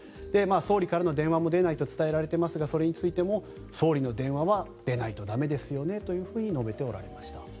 総理からの電話も出ないと伝えられていますがそれについても総理の電話は出ないと駄目ですよねというふうに述べておられました。